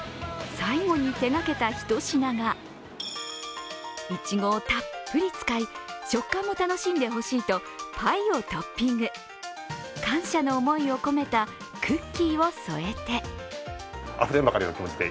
最後に手がけたひと品がいちごをたっぷり使い食感も楽しんでほしいとパイをトッピング。感謝の思いを込めたクッキーを添えて。